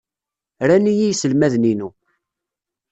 Ran-iyi yiselmaden-inu.